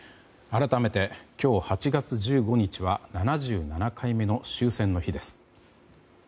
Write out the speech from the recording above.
改めて今日８月１５日は７７回目の終戦の日です。